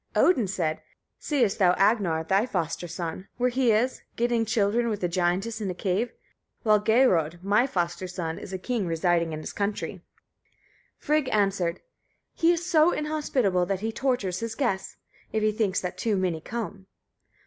Odin said, "Seest thou Agnar, thy foster son, where he is, getting children with a giantess in a cave? while Geirröd, my foster son, is a king residing in his country." Frigg answered, "He is so inhospitable that he tortures his guests, if he thinks that too many come."